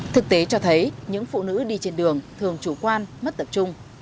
thực tế cho thấy những phụ nữ đi trên đường thường chủ quan mất tập trung